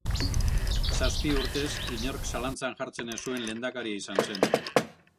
Zazpi urtez inork zalantzan jartzen ez zuen lehendakaria izan zen.